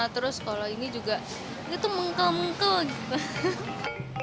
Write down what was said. terus kalau ini juga dia tuh mungkel mungkel gitu